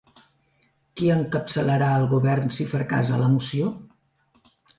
Qui encapçalarà el govern si fracassa la moció?